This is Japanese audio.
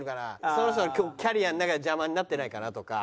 その人のキャリアの中で邪魔になってないかなとか。